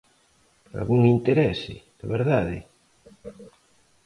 ¿Algún interese, de verdade?